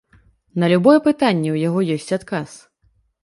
На любое пытанне ў яго ёсць адказ.